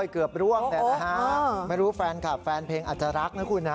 เกือบร่วงแต่นะฮะไม่รู้แฟนคลับแฟนเพลงอาจจะรักนะคุณนะ